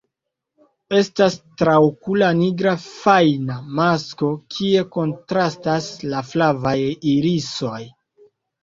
Estas traokula nigra fajna masko kie kontrastas la flavaj irisoj.